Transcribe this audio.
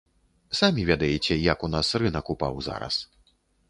Самі ведаеце, як у нас рынак упаў зараз.